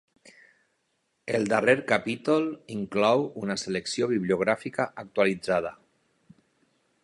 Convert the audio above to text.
El darrer capítol inclou una selecció bibliogràfica actualitzada.